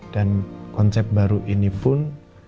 dan konsep baru ini pun